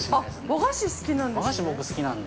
◆和菓子好きなんですね。